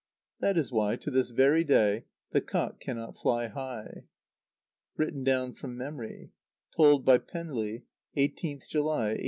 That is why, to this very day, the cock cannot fly high. (Written down from memory. Told by Penri, 18th July, 1886.)